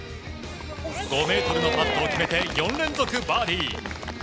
５ｍのパットを決めて４連続バーディー！